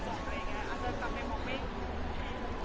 จะไปหมอเบ้ง